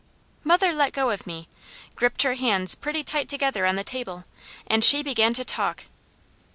Mother let go of me, gripped her hands pretty tight together on the table, and she began to talk.